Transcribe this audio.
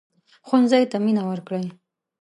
ښوونځی ته مينه ورکړئ